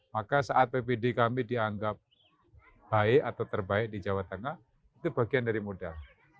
maka saat ppd kami dianggap baik atau terbaik di jawa tengah itu bagian dari modal